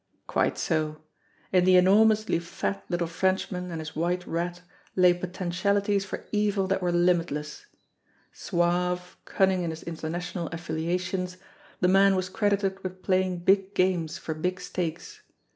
Quite so ! In the enormously fat little Frenchman and his White Rat lay potentialities for evil that were limitless. Suave, cunning in his international affiliations, the man was AT "THE WHITE RAT" 273 credited with playing big games for big stakes.